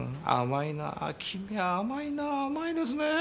甘いなぁ君は甘いなぁ甘いですねえ。